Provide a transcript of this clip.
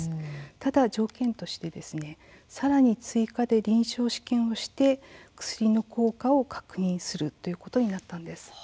ただ条件としてさらに追加で臨床試験をして薬の効果を確認するということになったんです。